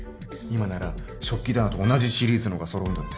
今なら食器棚と同じシリーズのがそろうんだって。